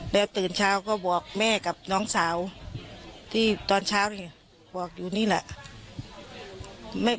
แล้วตื่นเช้าก็บอกแม่กับน้องสาวที่ตอนเช้านี่บอกอยู่นี่แหละ